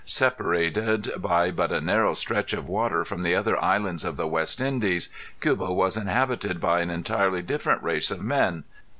Separated by but a narrow stretch of water from the other islands of the West Indies, Cuba was inhabited by an entirely different race of men.